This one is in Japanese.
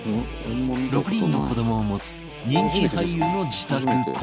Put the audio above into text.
６人の子どもを持つ人気俳優の自宅公開